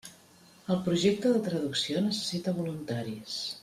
El projecte de traducció necessita voluntaris.